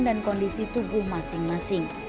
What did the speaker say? dan kondisi tubuh masing masing